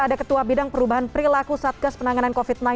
ada ketua bidang perubahan perilaku satgas penanganan covid sembilan belas